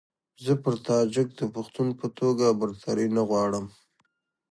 زه پر تاجک د پښتون په توګه برتري نه غواړم.